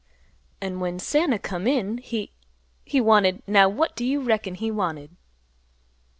"An' when Santa come in, he—he wanted—Now what d' you reckon he wanted?